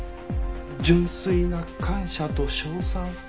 純粋な感謝と称賛。